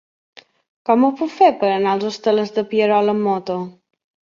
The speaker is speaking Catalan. Com ho puc fer per anar als Hostalets de Pierola amb moto?